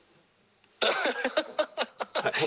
「ハハハハ！」